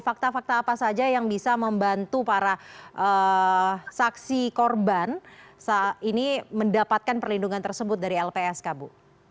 fakta fakta apa saja yang bisa membantu para saksi korban ini mendapatkan perlindungan tersebut dari lpsk bu